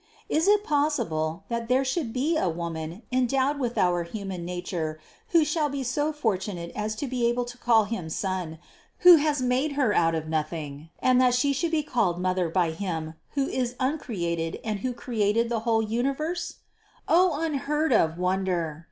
Is it possible, that there should be a Woman endowed with our human nature, who shall be so fortunate as to be able to call Him Son, who has made Her out of nothing, and that She should be called Mother by Him, who is uncreated and who created the whole universe? O unheard of wonder!